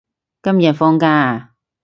今日放假啊？